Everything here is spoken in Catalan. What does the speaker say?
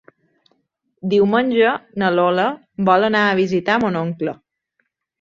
Diumenge na Lola vol anar a visitar mon oncle.